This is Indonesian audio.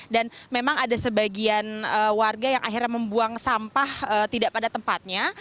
dan memang ada sebagian warga yang akhirnya membuang sampah tidak pada tempatnya